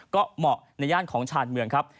ก็เหมาะในย่านของชาญเมืองครับ